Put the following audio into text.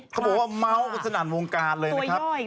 พระท่าตัวย่ออีกแล้วหรือครับเขาบอกว่าเม้าสนั่นวงการเลยนะครับ